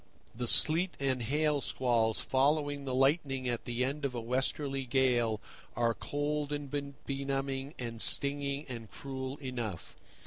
The sleet and hail squalls following the lightning at the end of a westerly gale are cold and benumbing and stinging and cruel enough.